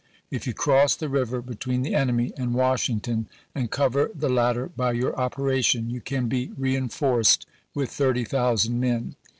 If you cross the river between the enemy and Washington and cover the latter by your operation you can be reenforced with thirty thousand men.